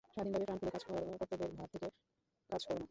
স্বাধীনভাবে প্রাণ খুলে কাজ কর, কর্তব্যের ভাব থেকে কাজ কর না।